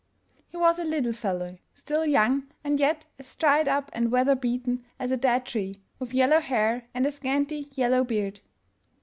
He was a little fellow, still young and yet as dried up and weather beaten as a dead tree, with yellow hair and a scanty yellow beard.